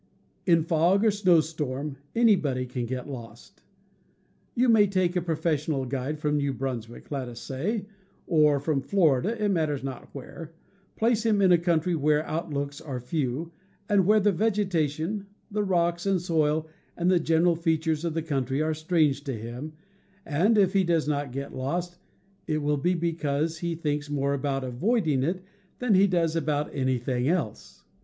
In fog or snowstorm anybody can get lost. You may take a professional guide from New Brunswick, let us say, or from Florida — it matters not where — place him in a country where outlooks are few, and where the vegetation, the rocks and soil, and the general features of the country, are strange to him, and, if he does not get lost, it will be because he thinks more about avoiding it than he does about anything else.